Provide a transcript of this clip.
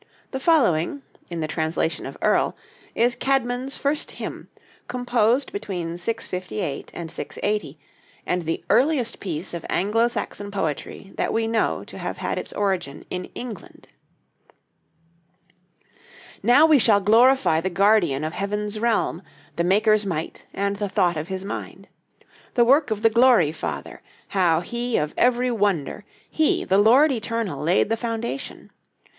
The following, in the translation of Earle, is Cædmon's first hymn, composed between 658 and 680, and the earliest piece of Anglo Saxon poetry that we know to have had its origin in England: "Now shall we glorify the guardian of heaven's realm, The Maker's might and the thought of his mind; The work of the Glory Father, how He of every wonder, He, the Lord eternal, laid the foundation.